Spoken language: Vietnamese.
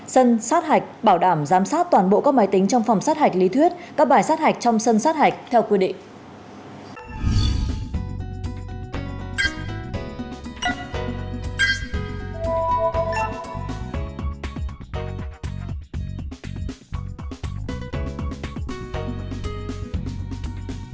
sân sát hạch bảo đảm giám sát toàn bộ các máy tính trong phòng sát hạch lý thuyết các bài sát hạch trong sân sát hạch theo quy định